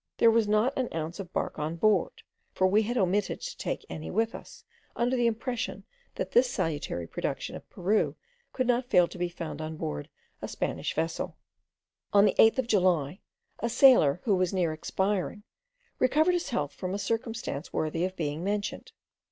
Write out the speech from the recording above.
There was not an ounce of bark on board; for we had emitted to take any with us, under the impression that this salutary production of Peru could not fail to be found on board a Spanish vessel. On the 8th of July, a sailor, who was near expiring, recovered his health from a circumstance worthy of being mentioned.